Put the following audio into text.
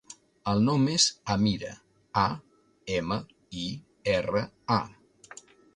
El nom és Amira: a, ema, i, erra, a.